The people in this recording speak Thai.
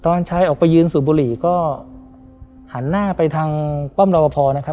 ตอนชายออกไปยืนสูบบุหรี่ก็หันหน้าไปทางป้อมรอปภนะครับ